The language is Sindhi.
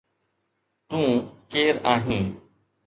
تو ڪير آهين